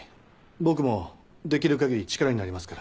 僕もできる限り力になりますから。